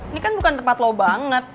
ini kan bukan tempat low banget